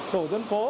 tổ dân phố